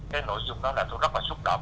cái nội dung đó là tôi rất là xúc động